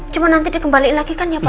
cuma nanti dikembalikan ya pak